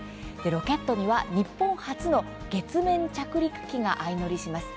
ロケットには日本初の月面着陸機が相乗りします。